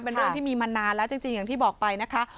เป็นเรื่องที่มีมานานแล้วจริงอย่างที่บอกไปนะคะ